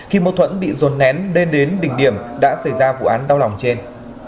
khi mâu thuẫn bị dồn nén lên đến bình điểm đã xảy ra vụ án đau lòng trên